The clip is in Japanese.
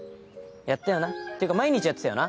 やったよなっていうか毎日やってたよな。